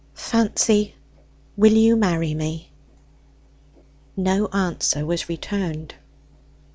Fancy, will you marry me?" No answer was returned.